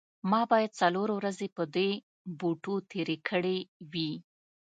ما باید څلور ورځې په دې بوټو تیرې کړې وي